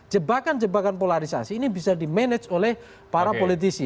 jebakan jebakan polarisasi ini bisa dimanage oleh para politisi